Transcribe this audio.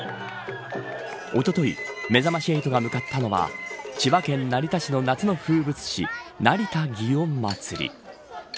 おとといめざまし８が向かったのは千葉県成田市の夏の風物詩成田祇園祭。